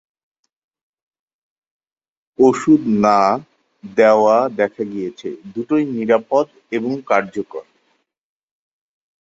ওষুধ না-দেওয়া দেখা গিয়েছে দুটোই: নিরাপদ এবং কার্যকর।